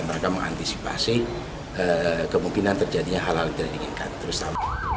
pertama penanganan bom eksplosif